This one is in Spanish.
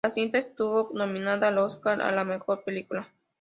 La cinta estuvo nominada al Óscar a la mejor película.